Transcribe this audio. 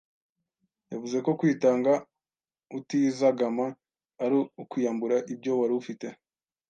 yavuze ko kwitanga utizagama ari ukwiyambura ibyo wari ufite